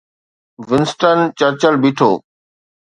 Winston Churchill بيٺو.